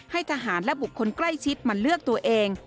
ให้ทหารและบุคคลใกล้ชิดมาเลือกตัวเอง